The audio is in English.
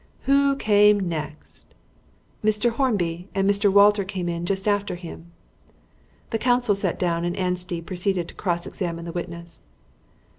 "Who came next?" "Mr. Hornby, and Mr. Walter came in just after him." The counsel sat down, and Anstey proceeded to cross examine the witness.